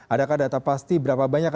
adakah data pasti berapa banyak